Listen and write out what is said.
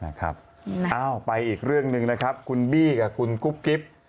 เอาไปอีกเรื่องหนึ่งนะครับคุณบี้กับคุณกุ๊บกิ๊บ